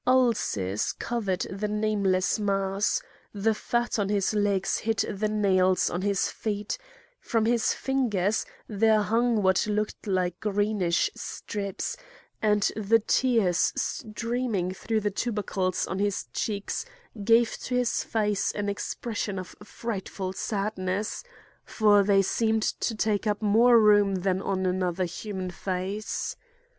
Ulcers covered the nameless mass; the fat on his legs hid the nails on his feet; from his fingers there hung what looked like greenish strips; and the tears streaming through the tubercles on his cheeks gave to his face an expression of frightful sadness, for they seemed to take up more room than on another human face.